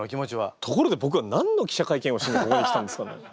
ところで僕は何の記者会見をしにここに来たんですかね？